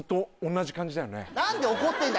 何で怒ってんだ？